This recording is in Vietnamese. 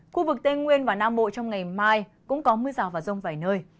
khu vực tây nguyên và nam bộ trong ngày mai cũng có mưa rào và rông vài nơi